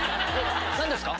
何ですか？